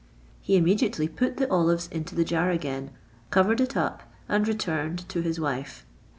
He immediately put the olives into the jar again, covered it up, and returned to his wife.